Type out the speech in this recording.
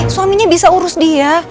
suaminya bisa urus dia